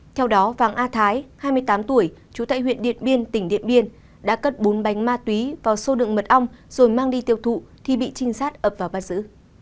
theo đó vàng a thái hai mươi tám tuổi trú tại huyện điện biên tỉnh điện biên đã cất bốn bánh ma túy vào xô đựng mật ong rồi mang đi tiêu thụ thì bị trinh sát ập vào bắt giữ